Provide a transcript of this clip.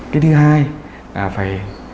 cái thứ hai là phải